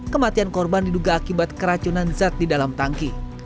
kematian korban diduga akibat keracunan zat di dalam tangki